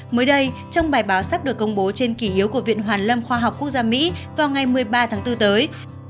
mới đây trong bài báo sắp được công bố trên kỷ hiếu của viện hoàn lâm khoa học quốc gia mỹ vào ngày một mươi ba tháng bốn tới